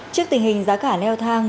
trước tình hình giá cả leo thang